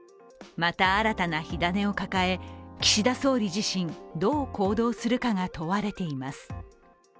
また新たな火種を抱え、岸田総理自身、どう行動するかが問われています。